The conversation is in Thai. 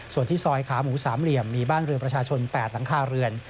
ส่วนที่ซอยขาหมูสามเหลี่ยมมีบ้านเรือประชาชน๘หลังคาเรือน